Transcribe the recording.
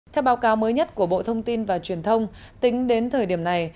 theo báo cáo mới nhất của bộ thông tin và truyền thông tính đến thời điểm này